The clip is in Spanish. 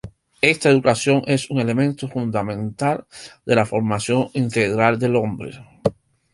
Esta educación es un elemento fundamental de la formación integral del hombre.